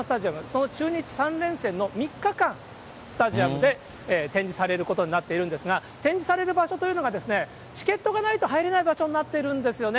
その中日３連戦の３日間、スタジアムで展示されることになっているんですが、展示される場所というのが、チケットがないと入れない場所になっているんですよね。